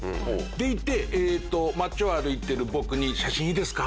でいて街を歩いてる僕に「写真いいですか？」